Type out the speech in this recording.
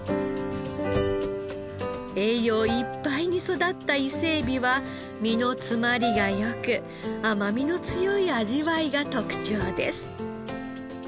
栄養いっぱいに育った伊勢エビは身の詰まりが良く甘みの強い味わいが特長です。